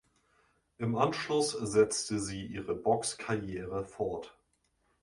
Im Anschluss setzte sie ihre Boxkarriere fort.